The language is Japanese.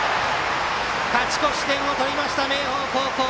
勝ち越し点を取った明豊高校。